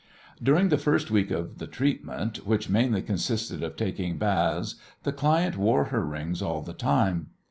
During the first week of the treatment, which mainly consisted of taking baths, the client wore her rings all the time.